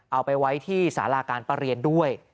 เอาไปไว้ที่สาราการประเรียนด้วย